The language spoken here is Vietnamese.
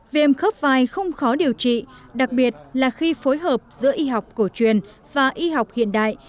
viêm khớp vai không khó điều trị đặc biệt là khi phối hợp giữa y học cổ truyền và y học hiện đại